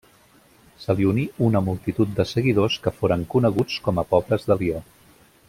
Se li uní una multitud de seguidors que foren coneguts com a Pobres de Lió.